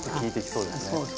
そうですね。